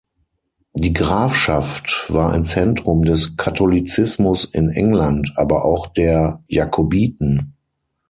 Die Grafschaft war ein Zentrum des Katholizismus in England, aber auch der Jakobiten.